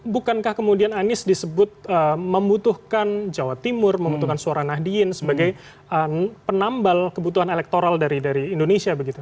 bukankah kemudian anies disebut membutuhkan jawa timur membutuhkan suara nahdien sebagai penambal kebutuhan elektoral dari indonesia begitu